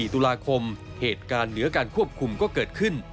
๔ตุลาคมเหตุการณ์เหนือการควบคุมก็เกิดขึ้น